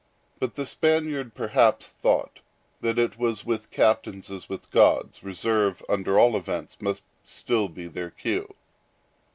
But the Spaniard, perhaps, thought that it was with captains as with gods: reserve, under all events, must still be their cue.